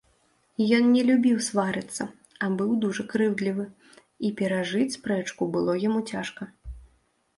Ён не любіў сварыцца, а быў дужа крыўдлівы, і перажыць спрэчку было яму цяжка.